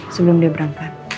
sebelum dia berangkat